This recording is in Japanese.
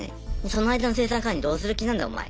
その間の生産管理どうする気なんだお前。